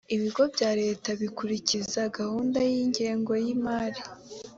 ibigo bya leta bikurikiza gahunda y ingengo y imari